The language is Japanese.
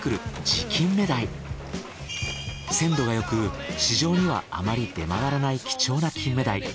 鮮度がよく市場にはあまり出回らない貴重な金目鯛。